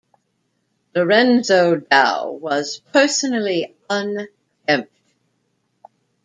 Lorenzo Dow was personally unkempt.